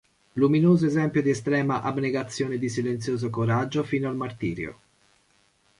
Luminoso esempio di estrema abnegazione e di silenzioso coraggio fino al martirio.